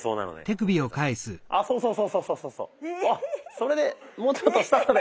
それでもうちょっと下まで。